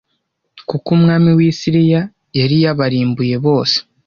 kuko umwami w i Siriya yari yabarimbuye bose